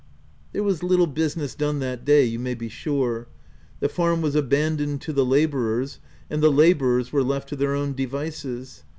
There was little business done that day, you may be sure. The farm was abandoned to the labourers, and the labourers were left to their own devices.